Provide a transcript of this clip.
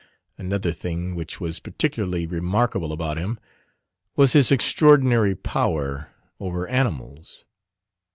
Another thing which was particularly remarkable about him was his extraordinary power over animals.